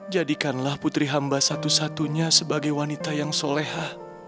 jadikanlah putri hamba satu satunya sebagai wanita yang soleha